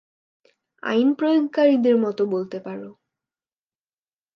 আইন প্রয়োগকারীদের মতো বলতে পারো।